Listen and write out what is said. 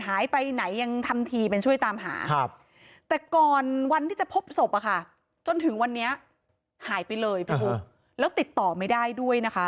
หายไปเลยแล้วติดต่อไม่ได้ด้วยนะคะ